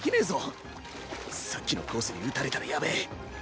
さっきのコースに打たれたらやべえ